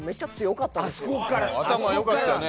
頭良かったよね。